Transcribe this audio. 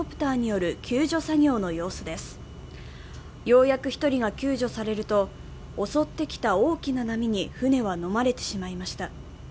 ようやく１人が救助されると襲ってきた大きな波に船はのまれてしまいました。